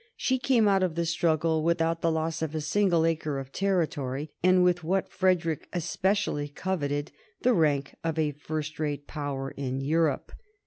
She came out of the struggle without the loss of a single acre of territory, and with what Frederick especially coveted, the rank of a first rate Power in Europe.